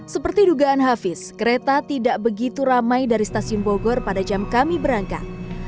seperti dugaan hafiz kereta tidak begitu ramai dari stasiun bogor pada jam kami berangkat